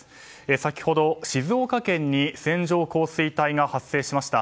先ほど、静岡県に線状降水帯が発生しました。